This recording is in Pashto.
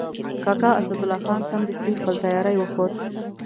کاکا اسدالله خان سمدستي خپل تیاری وښود.